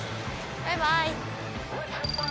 バイバイ。